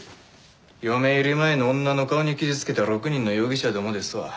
嫁入り前の女の顔に傷付けた６人の容疑者どもですわ。